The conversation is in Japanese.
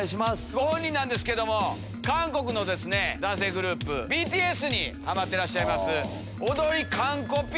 ご本人なんですけども韓国の男性グループＢＴＳにハマってらっしゃいます。